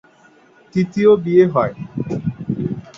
তৃতীয় বিয়ে হয়।